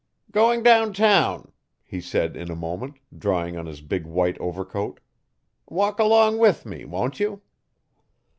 'Going down town,' he said in a moment, drawing on his big white overcoat, 'walk along with me won't you?